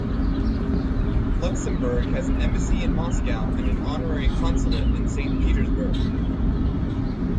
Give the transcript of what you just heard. Luxembourg has an embassy in Moscow and an honorary consulate in Saint Petersburg.